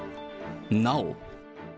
なお。